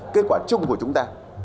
kết quả chung của chúng ta